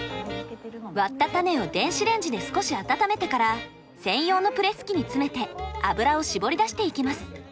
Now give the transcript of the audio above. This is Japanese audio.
割った種を電子レンジで少し温めてから専用のプレス機に詰めて油を搾り出していきます。